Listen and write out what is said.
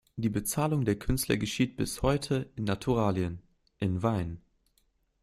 Die Bezahlung der Künstler geschieht bis heute in Naturalien, in Wein.